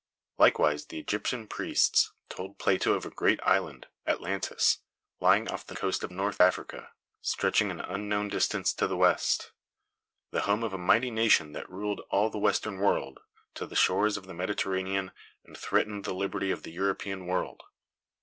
] Likewise the Egyptian priests told Plato of a great island, Atlantis, lying off the coast of North Africa, stretching an unknown distance to the west; the home of a mighty nation that ruled all the western world, to the shores of the Mediterranean, and threatened the liberty of the European world.